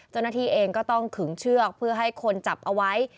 เจ้าหน้าที่เองก็ต้องขึงเชือกเพื่อให้คนจับเอาไว้